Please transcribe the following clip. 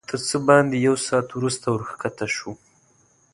تر څه باندې یو ساعت وروسته ورښکته شوو.